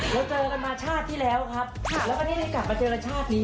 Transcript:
เราเจอกันมาชาติที่แล้วแล้วประณีตกศรีก็เจอกันชาตินี้